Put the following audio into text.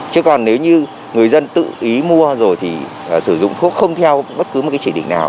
chứ còn nếu như người dân tự ý mua rồi thì sử dụng thuốc không theo bất cứ một cái chỉ định nào